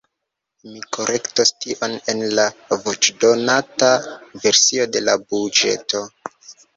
Mi korektos tion en la voĉdonota versio de la buĝeto.